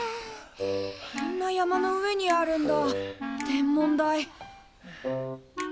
こんな山の上にあるんだ天文台。